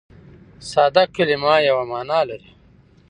ساده کلیمه یوه مانا لري.